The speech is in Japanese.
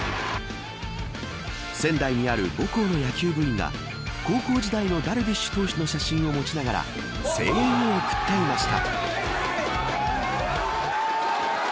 仙台にある母校の野球部員が高校時代のダルビッシュ投手の写真を持ちながら声援を送っていました。